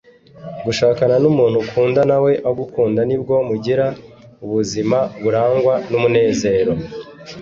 Gushakana n’umuntu ukunda nawe agukunda nibwo mugira ubuzima burangwa n’umunezero